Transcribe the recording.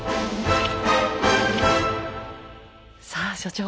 さあ所長